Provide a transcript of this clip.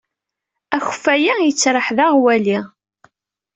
Akeffay-a yettraḥ d aɣwali.